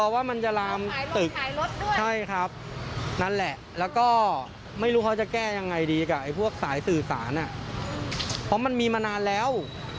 สายสื่อสารเพราะมันมีมานานแล้ว